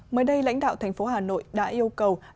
mới đây lãnh đạo thành phố hà nội đã yêu cầu